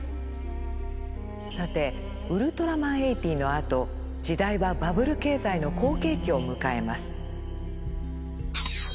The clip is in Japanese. さて「ウルトラマン８０」のあと時代はバブル経済の好景気を迎えます。